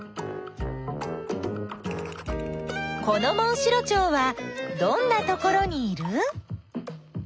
このモンシロチョウはどんなところにいる？